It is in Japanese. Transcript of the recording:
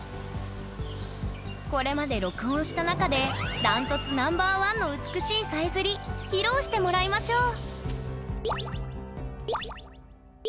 これまで録音した中でダントツＮｏ．１の美しいさえずり披露してもらいましょう！